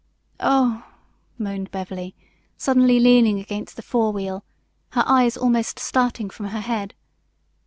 "Oh," moaned Beverly, suddenly leaning against the fore wheel, her eyes almost starting from her head.